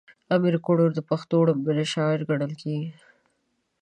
امير کروړ د پښتو ړومبی شاعر ګڼلی کيږي